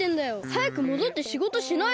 はやくもどってしごとしなよ！